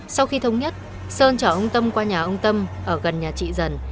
sau khi thống nhất sơn chở ông tâm qua nhà ông tâm ở gần nhà trị dân